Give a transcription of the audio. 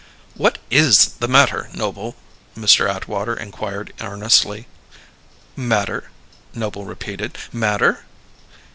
"What is the matter, Noble?" Mr. Atwater inquired earnestly. "Matter?" Noble repeated. "Matter?"